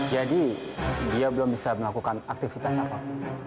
jadi dia belum bisa melakukan aktivitas apapun